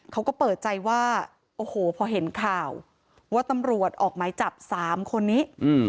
เขาก็เปิดใจว่าโอ้โหพอเห็นข่าวว่าตำรวจออกหมายจับ๓คนนี้